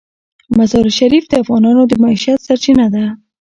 مزارشریف د افغانانو د معیشت سرچینه ده.